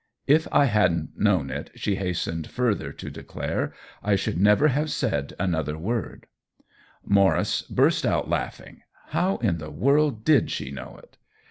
" If I hadn't known it," THE WHEEL OF TIME 27 she hastened further to declare, " I should never have said another word." Maurice burst out laughing — how in the world did she know it